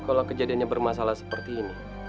sekarang kalo kejadiannya bermasalah seperti ini